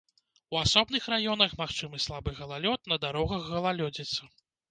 У асобных раёнах магчымы слабы галалёд, на дарогах галалёдзіца.